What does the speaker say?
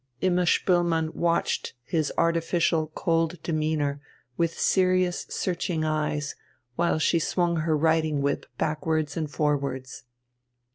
Imma Spoelmann watched his artificial, cold demeanour with serious, searching eyes, while she swung her riding whip backwards and forwards.